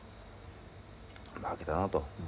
負けたなと。